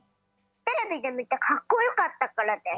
テレビでみてかっこよかったからです。